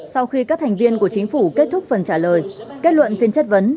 sau khi các thành viên của chính phủ kết thúc phần trả lời kết luận phiên chất vấn